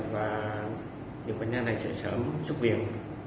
và những bệnh nhân này sẽ sớm xuất viện